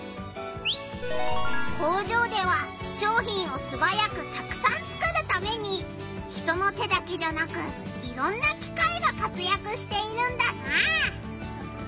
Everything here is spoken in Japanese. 工場では商品をすばやくたくさんつくるために人の手だけじゃなくいろんな機械が活やくしているんだなあ。